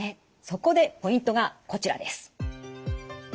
そこでポイントがこちらです。